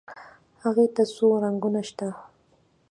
هغې ته څو رنګونه شته.